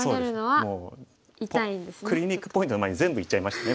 もうクリニックポイントの前に全部言っちゃいましたね